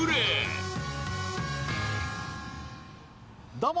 どうも。